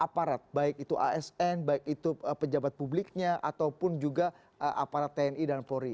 aparat baik itu asn baik itu pejabat publiknya ataupun juga aparat tni dan polri